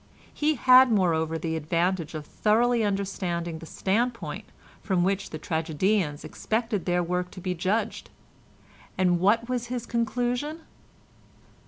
He had, moreover, the advantage of thoroughly understanding the standpoint from which the tragedians expected their work to be judged, and what was his conclusion?